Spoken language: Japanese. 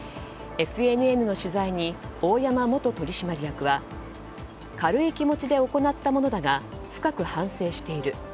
ＦＮＮの取材に、大山元取締役は軽い気持ちで行ったものだが深く反省している。